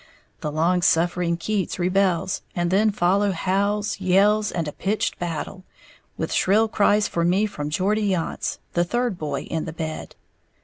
The long suffering Keats rebels, and then follow howls, yells and a pitched battle, with shrill cries for me from Geordie Yonts, the third boy in the bed.